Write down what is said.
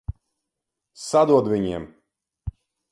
Sadod viņiem!